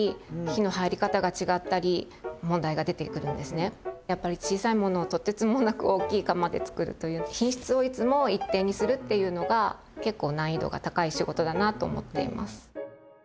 なのでやっぱり小さいものをとてつもなく大きい釜でつくるという品質をいつも一定にするっていうのが結構難易度が高い仕事だなと思っています。